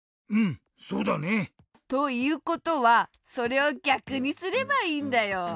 うんそうだね。ということはそれをぎゃくにすればいいんだよ。